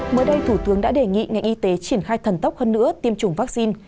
mới đây thủ tướng đã đề nghị ngành y tế triển khai thần tốc hơn nữa tiêm chủng vaccine